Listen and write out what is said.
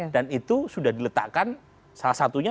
dan itu sudah diletakkan salah satunya